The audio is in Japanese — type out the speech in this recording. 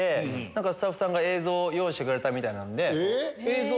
スタッフさんが映像用意してくれたみたいなんで。